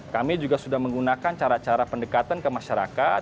kami juga sudah menggunakan cara cara pendekatan ke masyarakat